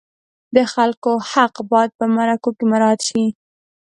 د خلکو حق باید په مرکو کې مراعت شي.